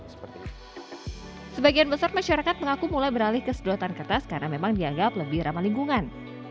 sebagian besar masyarakat mengaku mulai beralih ke sedotan kertas karena memang dianggap lebih ramah lingkungan